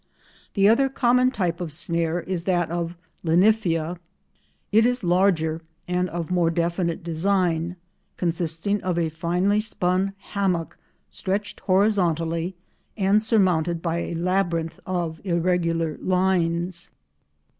The other common type of snare is that of Linyphia. It is larger and of more definite design, consisting of a finely spun hammock stretched horizontally, and surmounted by a labyrinth of irregular lines.